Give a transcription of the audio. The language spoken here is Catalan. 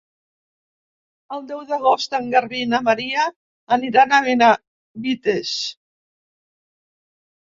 El deu d'agost en Garbí i na Maria aniran a Benavites.